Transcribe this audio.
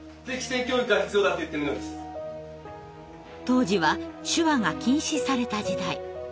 当時は手話が禁止された時代。